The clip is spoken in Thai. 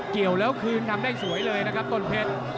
เกี่ยวแล้วคืนทำได้สวยเลยนะครับต้นเพชร